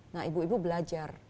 nah ibu ibu belajar